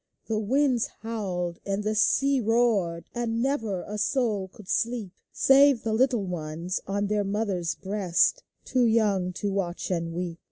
The winds howled, and tlie sea roared. And never a soul could sleep. Save the little ones on their mothers' breasts, Too young to watch and weep.